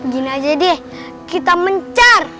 gini aja deh kita mencar